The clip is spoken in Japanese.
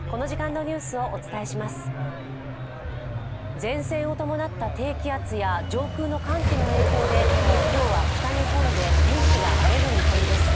前線を伴った低気圧や上空の寒気の影響で今日は北日本で天気が荒れる見込みです。